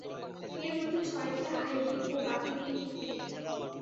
এর মধ্যে ছয়টি হাইব্রিড ও বাকিগুলো ইনব্রিড।